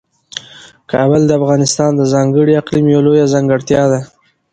کابل د افغانستان د ځانګړي اقلیم یوه لویه ځانګړتیا ده.